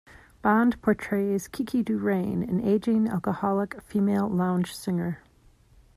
Bond portrays Kiki DuRane, an aging, alcoholic, female lounge singer.